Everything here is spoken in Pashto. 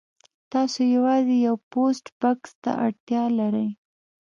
تاسو یوازې یو پوسټ بکس ته اړتیا لرئ